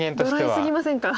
ドライ過ぎませんか。